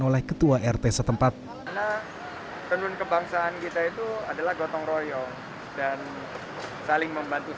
oleh ketua rt setempat tenun kebangsaan kita itu adalah gotong royong dan saling membantu